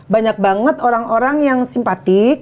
banyak banget orang orang yang simpatik